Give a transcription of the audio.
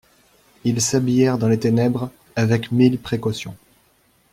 Ils s'habillèrent dans les ténèbres, avec mille précautions.